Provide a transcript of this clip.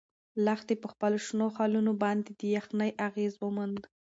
لښتې په خپلو شنو خالونو باندې د یخنۍ اغیز وموند.